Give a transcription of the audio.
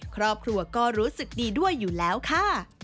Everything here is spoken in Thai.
ครอบครัวก็รู้สึกดีด้วยอยู่แล้วค่ะ